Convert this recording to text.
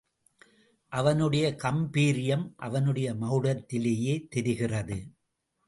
அவனுடைய காம்பீர்யம் அவனுடைய மகுடத்திலேயே தெரிகிறது.